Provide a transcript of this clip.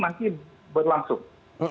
transmisi masih berlangsung